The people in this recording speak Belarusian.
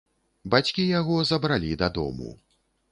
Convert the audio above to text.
Бацькі яго забралі дадому.